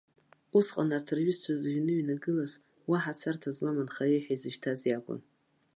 Усҟан арҭ рҩызцәа зыҩны иҩнагылаз, уаҳа царҭа змам анхаҩы ҳәа изышьҭаз иакәын.